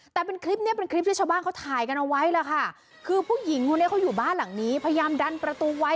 แต่เป็นคลิปเนี้ยเป็นคลิปที่ชาวบ้านเขาถ่ายกันเอาไว้ล่ะค่ะคือผู้หญิงคนนี้เขาอยู่บ้านหลังนี้พยายามดันประตูไว้